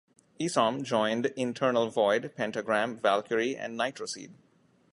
Isom joined Internal Void, Pentagram, Valkyrie and Nitroseed.